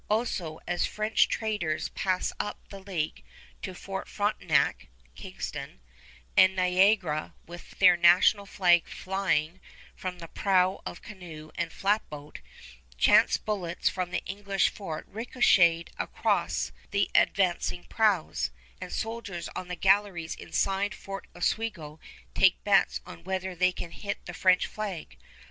Also, as French traders pass up the lake to Fort Frontenac (Kingston) and Niagara with their national flag flying from the prow of canoe and flatboat, chance bullets from the English fort ricochet across the advancing prows, and soldiers on the galleries inside Fort Oswego take bets on whether they can hit the French flag.